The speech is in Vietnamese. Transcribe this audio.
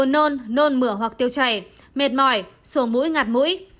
nôn mửa hoặc tiêu chảy mệt mỏi sổ mũi ngạt mũi